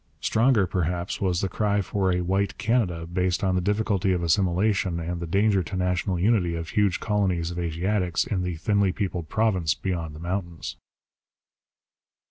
Stronger, perhaps, was the cry for a White Canada based on the difficulty of assimilation and the danger to national unity of huge colonies of Asiatics in the thinly peopled province beyond the mountains.